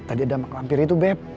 tadi ada mampir itu beb